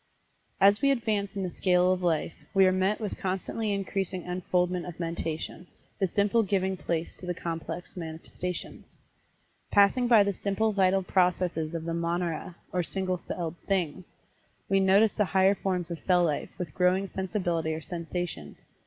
As we advance in the scale of life, we are met with constantly increasing unfoldment of mentation, the simple giving place to the complex manifestations. Passing by the simple vital processes of the monera, or single celled "things," we notice the higher forms of cell life, with growing sensibility or sensation.